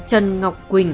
trần ngọc quỳnh